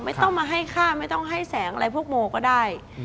ไม่ต้องมาให้ฆ่าไม่ต้องให้แสงอะไรพวกโมก็ได้